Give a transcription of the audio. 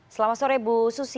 selamat sore bu susi